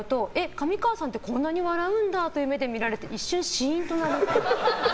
上川さんってこんなに笑うんだという目で見られて一瞬、シーンとなるっぽい。